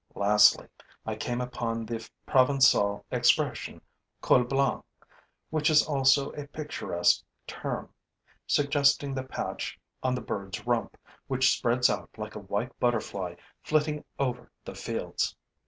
Lastly, I came upon the Provencal expression Cul blanc, which is also a picturesque term, suggesting the patch on the bird's rump which spreads out like a white butterfly flitting over the fields.